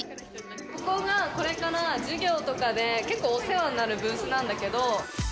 ここがこれから授業とかで、結構お世話になるブースなんだけど。